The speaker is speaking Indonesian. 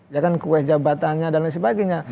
ya kan kue jabatannya dan lain sebagainya